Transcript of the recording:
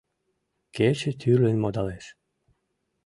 Кече тӱрлын модалеш.